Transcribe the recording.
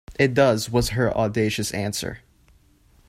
It does, was her audacious answer.